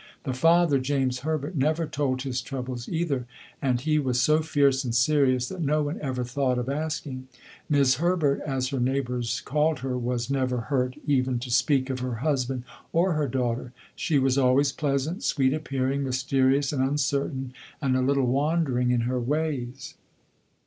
The father, James Herbert, never told his troubles either, and he was so fierce and serious that no one ever thought of asking. 'Mis' Herbert as her neighbors called her was never heard even to speak of her husband or her daughter. She was always pleasant, sweet appearing, mysterious and uncertain, and a little wandering in her ways.